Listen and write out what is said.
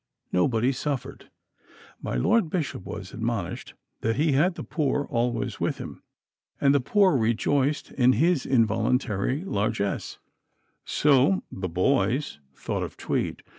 Nobody suffered. My Lord Bishop was admonished that he had the poor always with him, and the poor rejoiced in his involuntary largess. So "the boys" thought of Tweed.